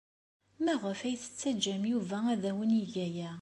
Maɣef ay tettaǧǧam Yuba ad awen-yeg aya?